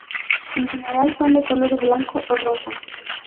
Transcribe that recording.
En general, son de color blanco o rosa.